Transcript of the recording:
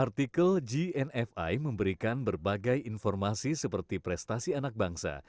artikel gnfi memberikan berbagai informasi seperti prestasi anak bangsa